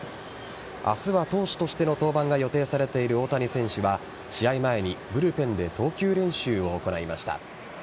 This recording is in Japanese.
明日は投手としての登板が予定されている大谷選手は試合前にブルペンで投球練習を行いました。